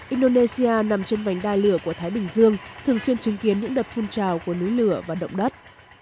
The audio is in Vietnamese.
indonesia nằm trên vành đai lửa của thái bình dương thường xuyên chứng kiến những đợt phun trào của núi lửa và động đất